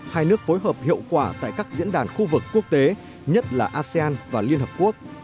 hai nước phối hợp hiệu quả tại các diễn đàn khu vực quốc tế nhất là asean và liên hợp quốc